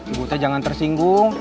ibu jangan tersinggung